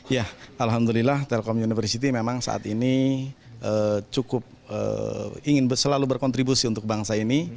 ya alhamdulillah telkom university memang saat ini cukup ingin selalu berkontribusi untuk bangsa ini